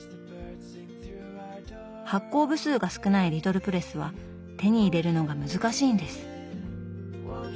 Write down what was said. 発行部数が少ないリトルプレスは手に入れるのが難しいんです。